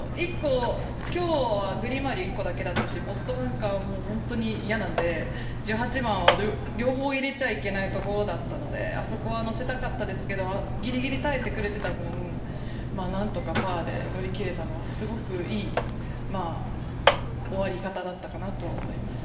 今日はグリーン周り１個だけだったしポットバンカーも本当に嫌なので１８番は両方入れちゃいけないところだったのであそこは乗せたかったですけどギリギリ耐えてくれていた分なんとかパーで乗り切れたのはすごくいい終わり方だったかなと思います。